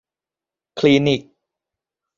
คลินิก